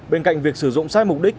bên cạnh việc sử dụng sai mục đích